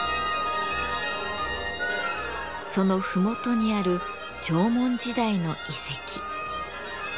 その麓にある縄文時代の遺跡。